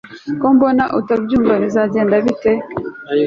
ko mbona utabyumva bizagenda bite